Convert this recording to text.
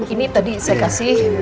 ini tadi saya kasih